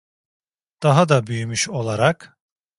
Daha da büyümüş olarak.